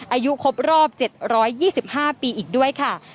อายุครบรอบ๗๒๕ปีอีกด้วยค่ะ